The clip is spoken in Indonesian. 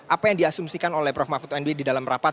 apa yang diasumsikan oleh prof mahfud md di dalam rapat